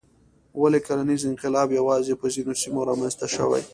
ولې کرنیز انقلاب یوازې په ځینو سیمو رامنځته شو؟